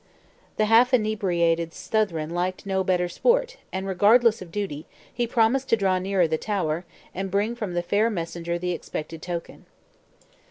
The half inebriated Southron liked no better sport, and regardless of duty, he promised to draw nearer the tower, and bring from the fair messenger the expected token.